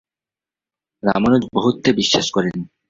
রামানুজ বহুত্বে বিশ্বাস করেন।